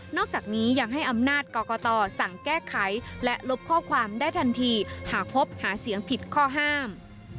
อกจากนี้ยังให้อำนาจกรกตสั่งแก้ไขและลบข้อความได้ทันทีหากพบหาเสียงผิดข้อห้าม